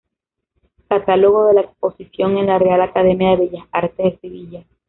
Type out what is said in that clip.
Catálogo de la exposición en la Real Academia de Bellas Artes de Sevilla.